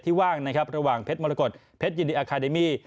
ว่างนะครับระหว่างเพชรมรกฏเพชรยินดีอาคาเดมี่